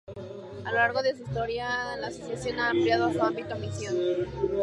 A lo largo de su historia la Asociación ha ampliado su ámbito y misión.